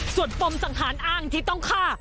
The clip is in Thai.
ส่วนปมสังหารอ้างที่ต้องฆ่า